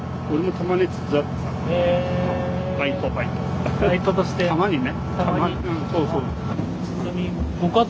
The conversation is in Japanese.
たまにね。